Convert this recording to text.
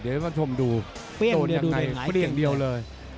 เดี๋ยวจะชมดูเปลี่ยงเดียวเลย